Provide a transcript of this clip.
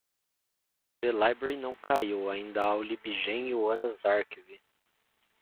O zlibrary não caiu, ainda há o libgen e o anna's archive